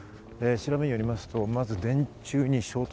調べによりますと、電柱に衝突。